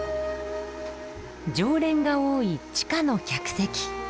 常連が多い地下の客席。